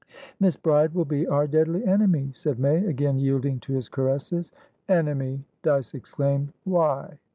"Miss Bride will be our deadly enemy," said May, again yielding to his caresses. "Enemy!" Dyce exclaimed. "Why?"